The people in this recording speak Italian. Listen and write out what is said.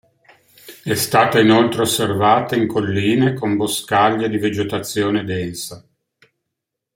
È stata inoltre osservata in colline con boscaglie di vegetazione densa.